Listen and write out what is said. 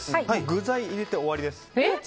具材を入れて終わりです。